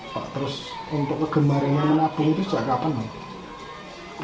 pak terus untuk kegemaran menabung itu sejak kapan